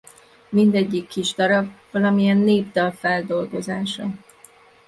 Mindegyik kis darab valamilyen népdal feldolgozása.